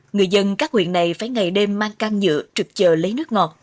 người dân các nguyện này phải ngày đêm mang can nhựa trực chờ lấy nước ngọt